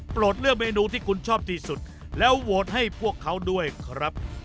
เลือกเมนูที่คุณชอบที่สุดแล้วโหวตให้พวกเขาด้วยครับ